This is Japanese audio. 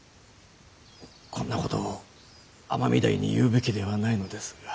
こんなことを尼御台に言うべきではないのですが。